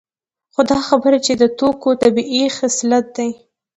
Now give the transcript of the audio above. خو دا خبره چې دا د توکو طبیعي خصلت دی